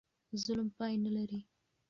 ظلم پای نه لري.